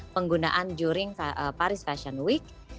penggunaan juring paris fashion week